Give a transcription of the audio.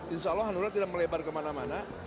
insya allah hanura tidak melebar kemana mana